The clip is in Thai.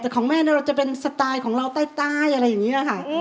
แต่ของแม่เนี่ยเราจะเป็นสไตล์ของเราใต้อะไรอย่างนี้ค่ะ